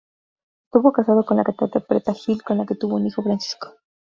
Estuvo casado con la cantante Preta Gil, con la que tuvo un hijo, Francisco.